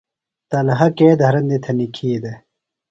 طلحہ کے دھرندیۡ تھےۡ نِکھی دےۡ؟